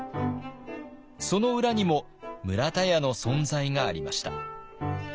その裏にも村田屋の存在がありました。